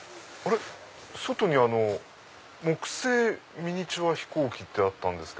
外に木製ミニチュア飛行機ってあったんですけど。